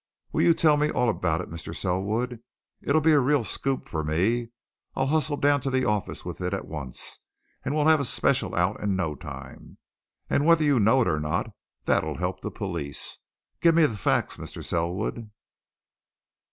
Will you tell me all about it, Mr. Selwood? it'll be a real scoop for me I'll hustle down to the office with it at once, and we'll have a special out in no time. And whether you know it or not, that'll help the police. Give me the facts, Mr. Selwood!"